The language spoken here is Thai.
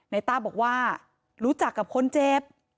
ต้าบอกว่ารู้จักกับคนเจ็บ